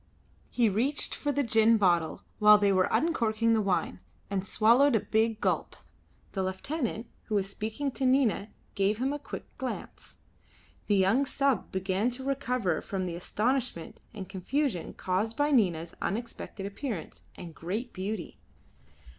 He reached for the gin bottle while they were uncorking the wine and swallowed a big gulp. The lieutenant, who was speaking to Nina, gave him a quick glance. The young sub began to recover from the astonishment and confusion caused by Nina's unexpected appearance and great beauty.